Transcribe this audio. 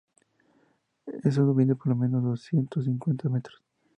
no. eso mide por lo menos doscientos cincuenta metros.